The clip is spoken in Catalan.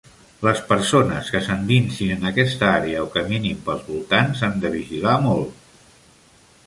Les persones que s'endinsin en aquesta àrea o caminin pels voltants han de vigilar molt.